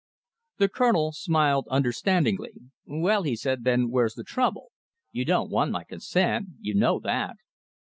The Colonel smiled understandingly. "Well." he said, "then where's the trouble? You don't want my consent. You know that."